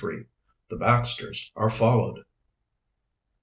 THE BAXTERS ARE FOLLOWED.